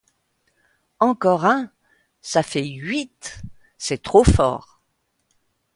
Encore un… ça fait huit ! C'est trop fort !